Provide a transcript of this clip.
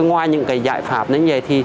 ngoài những giải pháp như vậy